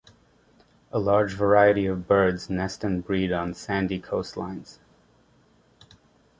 A large variety of birds nest and breed on sandy coastlines.